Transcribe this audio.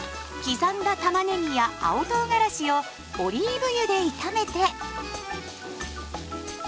刻んだたまねぎや青とうがらしをオリーブ油で炒めて。